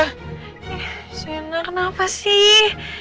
ih sianang kenapa sih